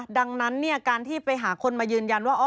ดังนั้นการที่ไปหาคนมายืนยันว่า